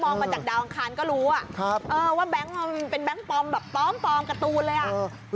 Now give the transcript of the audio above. มองมาจากดาวอังคารก็รู้ว่าแบงค์เป็นแบงค์ปลอมแบบปลอมปลอมการ์ตูนเลย